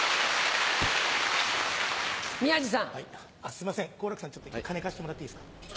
すいません好楽さん金貸してもらっていいですか？